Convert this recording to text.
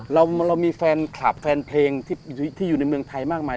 เรามีแฟนคลับแฟนเพลงที่อยู่ในเมืองไทยมากมาย